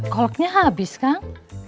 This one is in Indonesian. koleknya habis kang